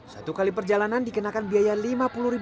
satu kali perjalanan dikenakan biaya lima puluh ribu rupiah